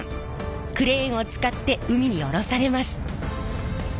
クレーンを使って海に降ろされます。